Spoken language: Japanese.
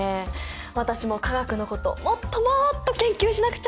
私も化学のこともっともっと研究しなくちゃ！